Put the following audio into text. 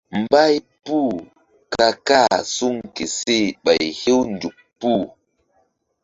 Mbay puh ka kah suŋ ke seh ɓay hew nzuk puh.